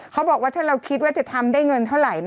เขาบอกว่าถ้าเราคิดว่าจะทำได้เงินเท่าไหร่